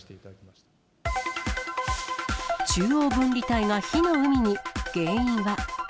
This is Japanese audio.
中央分離帯が火の海に。